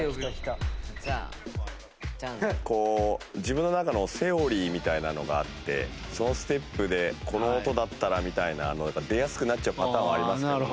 こう自分の中のセオリーみたいなのがあってそのステップでこの音だったらみたいな出やすくなっちゃうパターンはありますけどね。